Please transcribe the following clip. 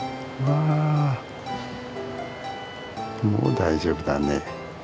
もう大丈夫だね。